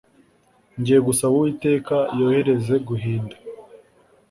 ngiye gusaba uwiteka yohereze guhinda